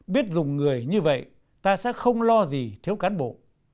biết dùng người như vậy ta sẽ không lo gì thiếu cán bộ